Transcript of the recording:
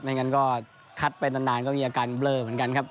งั้นก็คัดไปนานก็มีอาการเบลอเหมือนกันครับ